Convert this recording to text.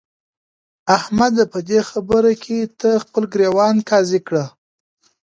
احمده! په دې خبره کې ته خپل ګرېوان قاضي کړه.